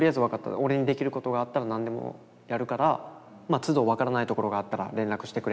俺にできることがあったら何でもやるからつど分からないところがあったら連絡してくれ」